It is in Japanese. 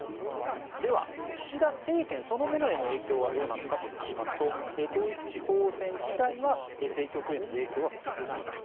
では岸田政権そのものへの影響はどうのかといいますと統一地方選自体は政局への影響は少ないと。